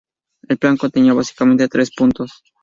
El plan contenía básicamente tres puntos.